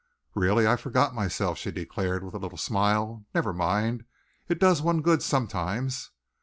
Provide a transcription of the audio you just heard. "Really, I forgot myself," she declared, with a little smile. "Never mind, it does one good sometimes.